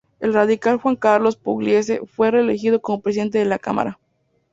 El radical Juan Carlos Pugliese fue reelegido como presidente de la Cámara.